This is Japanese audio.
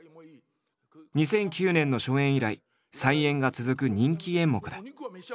２００９年の初演以来再演が続く人気演目だ。